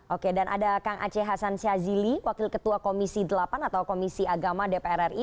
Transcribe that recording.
oke dan ada kang aceh hasan syazili wakil ketua komisi delapan atau komisi agama dpr ri